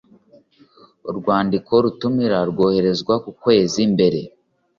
urwandiko rutumira rwoherezwa ukwezi mbere